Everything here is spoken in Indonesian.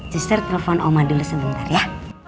juster telepon oma dulu sebentar ya